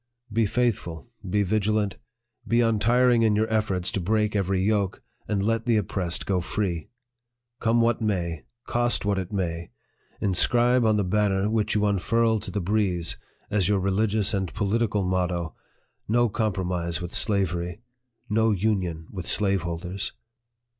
Be faithful, be vigilant, be untiring in your efforts to break every yoke, and let the oppressed go free. Come what may cost what it may inscribe on the banner which you unfurl to the breeze, as your religious and political motto "No COMPROMISE WITH SLAVERY! No UNION WITH SLAVEHOLDERS